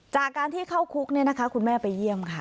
จากการที่เข้าคุกเนี่ยนะคะคุณแม่ไปเยี่ยมค่ะ